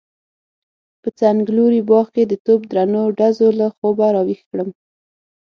په څنګلوري باغ کې د توپ درنو ډزو له خوبه راويښ کړم.